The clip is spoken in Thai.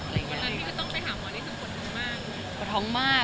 เหมือนที่ก็ต้องไปหาหมวนนี่สูงต้นมาก